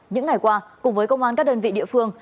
những ngày qua cùng với công an các đơn vị địa phương